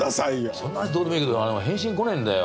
そんな話どうでもいいけど返信来ねえんだよ。